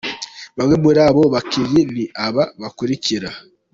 Bamwe muri abo bakinnyi ni aba bakurikira:.